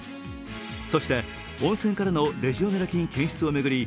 そして、温泉からのレジオネラ菌検出を巡り